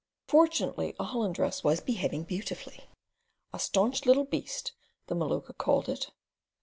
Fortunately a holland dress was behaving beautifully. "A staunch little beast," the Maluka called it.